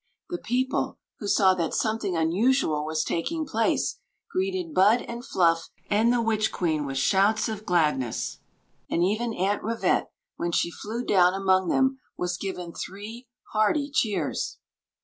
The people, who saw that something unususd was taking place, greeted Bud and Fluff and the witch queen with shouts of gladness; and even Aunt Ri vette, when she flew down amon^ them, was given three hearty cheers.